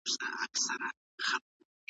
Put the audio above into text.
که فوټبال وي نو پښې نه سستیږي.